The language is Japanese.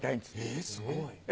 えすごい。